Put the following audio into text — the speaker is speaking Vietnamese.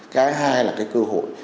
cái hai là cái cơ hội